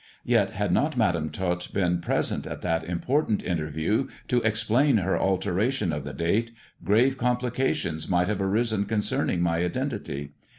Yet had not Madam Tot been present at that important interview to explain her alteration of the date, grave complications might have arisen concerning my identity.